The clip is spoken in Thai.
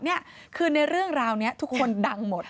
นี่คือในเรื่องราวนี้ทุกคนดังหมด